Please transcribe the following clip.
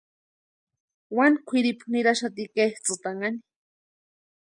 Wani kwʼiripu niraxati kʼetsïtanhani.